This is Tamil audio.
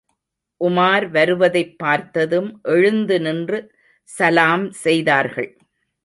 உமார் வருவதைப் பார்த்ததும் எழுந்து நின்று சலாம் செய்தார்கள்.